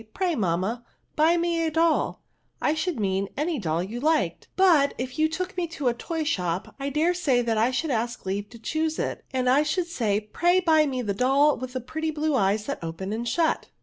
Pray, mamma, buy me doll, I should mean any doll you liked ; but^ ^ you took me to the toy shop, I dare say that I should ask leave to choose it, and I should say, Fray buy me the doll with the pretty blue eyes that open and shut."